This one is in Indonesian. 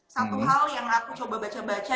satu hal yang aku coba baca baca